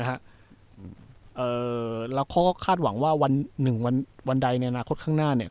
แล้วเขาก็คาดหวังว่าวันหนึ่งวันใดในอนาคตข้างหน้า